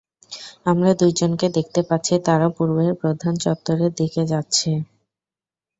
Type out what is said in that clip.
আমরা দুইজনকে দেখতে পাচ্ছি তারা পুর্বের প্রধান চত্বরের দিকে যাচ্ছে।